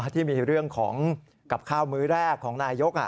ที่มีเรื่องของกับข้าวมื้อแรกของนายก